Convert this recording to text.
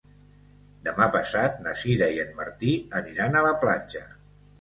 Demà passat na Sira i en Martí aniran a la platja.